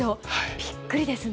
びっくりですね。